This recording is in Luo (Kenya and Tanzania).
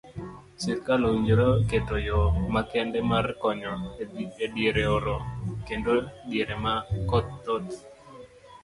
Sirikal owinjore oket yoo makende mar konyo ediere oro kendo diere ma koth thoth.